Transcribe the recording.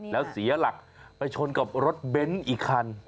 แล้วเสียหลักไปชนกับรถเบนท์อีกคัน